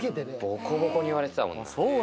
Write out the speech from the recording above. ぼこぼこに言われてたもんな。